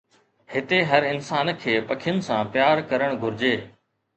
هتي هر انسان کي پکين سان پيار ڪرڻ گهرجي.